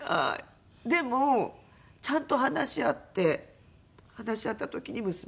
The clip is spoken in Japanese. でもちゃんと話し合って話し合った時に娘と。